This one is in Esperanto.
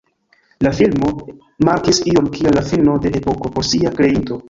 La filmo markis ion kiel la fino de epoko por sia kreinto.